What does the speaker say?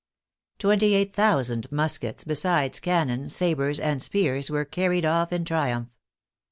Twenty eight thousand muskets, besides cannon, sabres, and spears were carried off in triumph.